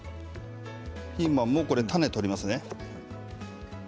ピーマンも種を取りますね。